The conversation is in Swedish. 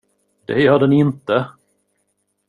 Det gör den inte!